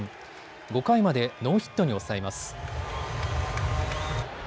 ５回までノーヒットに抑えます。